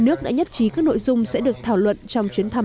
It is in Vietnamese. nước đã nhất trí các nội dung sẽ được thảo luận trong chuyến thăm sắp tới